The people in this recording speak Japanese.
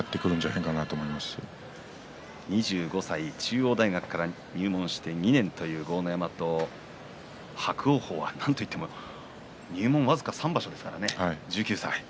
２５歳、中央大学から入門して２年という豪ノ山と伯桜鵬はなんといっても入門僅か３場所ですからね。